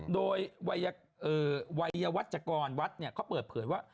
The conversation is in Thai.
โดยวัยวัชกรวัดเขาเปิดเผยว่า